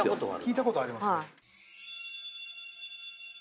聞いたことありますね